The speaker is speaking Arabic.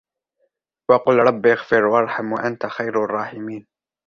وَقُلْ رَبِّ اغْفِرْ وَارْحَمْ وَأَنْتَ خَيْرُ الرَّاحِمِينَ